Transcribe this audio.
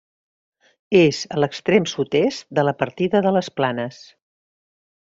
És a l'extrem sud-est de la partida de les Planes.